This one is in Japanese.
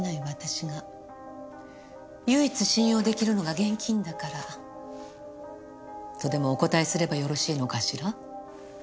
私が唯一信用出来るのが現金だから。とでもお答えすればよろしいのかしら？